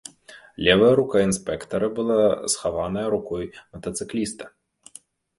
Левая рука інспектара была схаваная рукой матацыкліста.